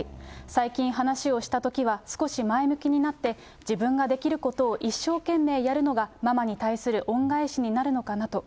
最近、話をしたときは、少し前向きになって、自分ができることを一生懸命やるのがママに対する恩返しになるのかなと。